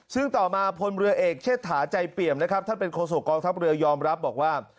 ซึ่งต่อมาพลเรือเอกเชษฐาใจเปี่ยมนะครับท่านเป็นโคศกองทัพเรือยอมรับบอกว่า